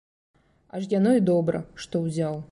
Аж яно і добра, што ўзяў.